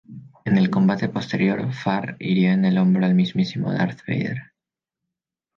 En el combate posterior, Farr hirió en el hombro al mismo Darth Vader.